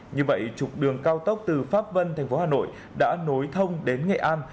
như vậy trục đường cao tốc từ pháp vân thành phố hà nội đã nối thông đến nghệ an